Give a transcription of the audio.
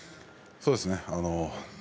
そうですね。